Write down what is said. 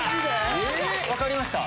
分かりました？